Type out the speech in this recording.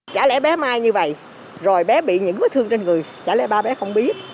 trả lẽ bé mai như vậy rồi bé bị những vết thương trên người trả lẽ ba bé không biết